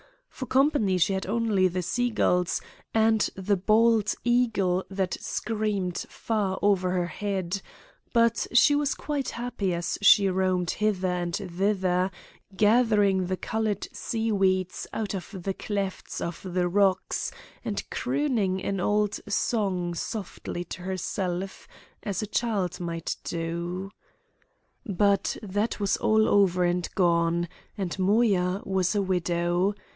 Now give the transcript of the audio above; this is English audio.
For company she had only the seagulls and the bald eagle that screamed far over her head; but she was quite happy as she roamed hither and thither, gathering the coloured seaweeds out of the clefts of the rocks, and crooning an old song softly to herself, as a child might do. But that was all over and gone, and Moya was a widow.